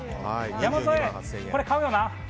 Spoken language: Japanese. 山添、これ買うよな？